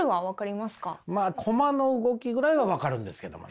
まあ駒の動きぐらいは分かるんですけどもね。